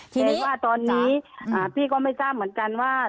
แต่ว่าตอนนี้พี่ก็ไม่ทราบเหมือนกันว่า